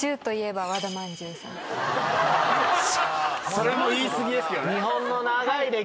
それも言い過ぎですけどね。